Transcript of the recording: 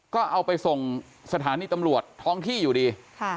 ก็เอาไปส่งสถานีตำรวจท้องที่อยู่ดี